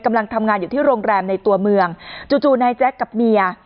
กำลังทำงานอยู่ที่โรงแรมในตัวเมืองจู่นายแจ๊คกับเมีย